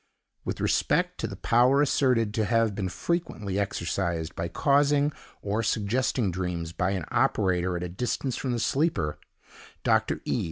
With respect to the power asserted to have been frequently exercised by causing or suggesting dreams by an operator at a distance from the sleeper, Dr. E.